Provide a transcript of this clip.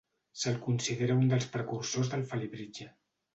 Se'l considera un dels precursors del Felibritge.